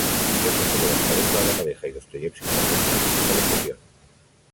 El hecho fue devastador para la pareja, y Dostoyevski cayó en una profunda depresión.